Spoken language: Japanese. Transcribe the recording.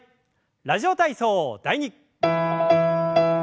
「ラジオ体操第２」。